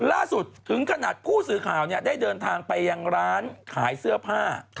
ล่าสุดถึงขนาดผู้สื่อข่าวได้เดินทางไปยังร้านขายเสื้อผ้า